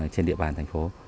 trên địa bàn thành phố